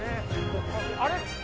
あれ？